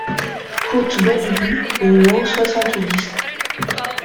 Côte Bellevue au numéro soixante-dix